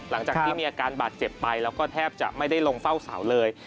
หลังจากที่มีอาการบาดเจ็บไปแล้วก็แทบจะไม่ได้ลงเฝ้าเสาเลย